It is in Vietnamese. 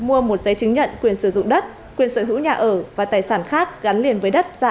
mua một giấy chứng nhận quyền sử dụng đất quyền sở hữu nhà ở và tài sản khác gắn liền với đất